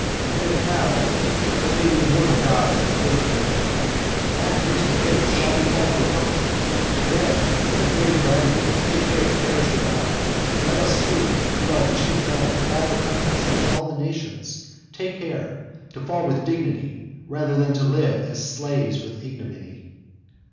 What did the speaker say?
And if now (but may the immortal gods avert the omen!) that worst of fates shall befall the republic, then, as brave gladiators take care to perish with honour, let us too, who are the chief men of all countries and nations, take care to fall with dignity rather than to live as slaves with ignominy.